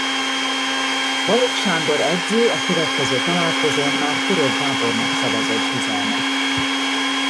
Balogh Sándor edző a következő találkozón már Török Gábornak szavazott bizalmat.